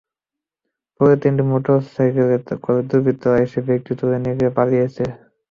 পরে তিনটি মোটরসাইকেলে করে দুর্বৃত্তরা এসে ব্যাগটি তুলে নিয়ে পালিয়ে যায়।